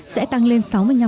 sẽ tăng lên sáu mươi năm